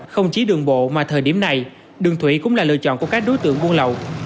không chỉ đường bộ mà thời điểm này đường thủy cũng là lựa chọn của các đối tượng buôn lậu